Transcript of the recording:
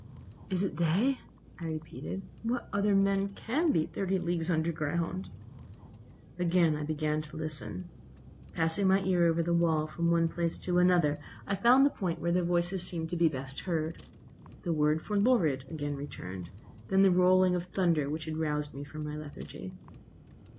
"It is they," I repeated. "What other men can be thirty leagues under ground?" I again began to listen. Passing my ear over the wall from one place to another, I found the point where the voices seemed to be best heard. The word 'forlorad' again returned; then the rolling of thunder which had roused me from my lethargy.